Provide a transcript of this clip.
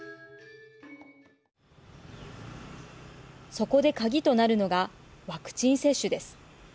そこで鍵となるのがワクチン接種です。